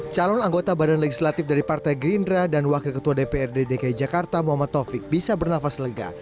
calon anggota badan legislatif dari partai gerindra dan wakil ketua dprd dki jakarta muhammad taufik bisa bernafas lega